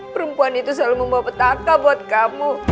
perempuan itu selalu membawa petaka buat kamu